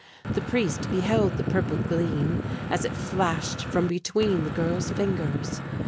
The priest beheld the purple gleam as it flashed from between the girl's fingers.